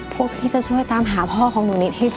พวกพี่จะช่วยตามหาพ่อของหนูนิดให้เจอ